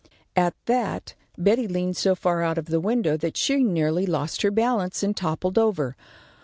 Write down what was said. At that, Betty leaned so far out of the window that she nearly lost her balance and toppled over.